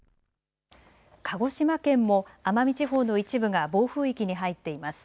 鹿児島県も奄美地方の一部が暴風域に入っています。